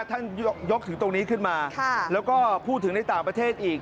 ท่านยกถึงตรงนี้ขึ้นมาแล้วก็พูดถึงในต่างประเทศอีก